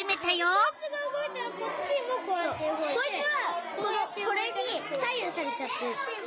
そうこいつはこれに左右されちゃってるの。